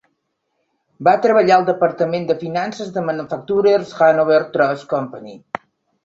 Va treballar al departament de finances de Manufacturer's Hanover Trust Company.